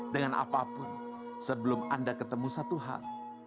dengan apapun sebelum anda ketemu satu hal